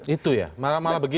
itu ya malah begitu